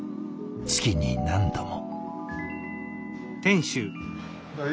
月に何度も。